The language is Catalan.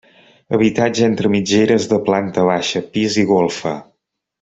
Habitatge entre mitgeres de planta baixa, pis i golfa.